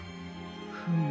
フム。